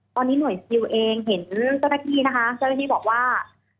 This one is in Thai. ตอนนี้หน่วยซิลเองเห็นเจ้าหน้าที่นะคะเจ้าหน้าที่บอกว่า